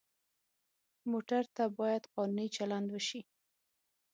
موټر ته باید قانوني چلند وشي.